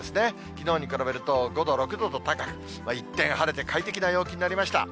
きのうに比べると５度、６度と高く、一転、晴れて快適な陽気になりました。